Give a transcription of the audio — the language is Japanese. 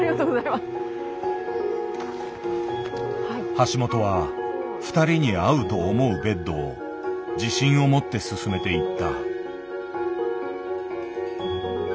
橋本は二人に合うと思うベッドを自信を持ってすすめていった。